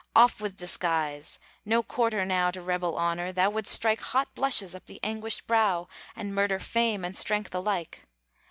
Off with disguise! no quarter now To rebel honor! thou wouldst strike Hot blushes up the anguished brow, And murder Fame and Strength alike.